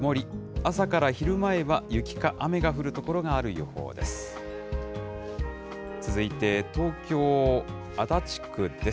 朝から昼前は雪か雨が降る所がある予報です。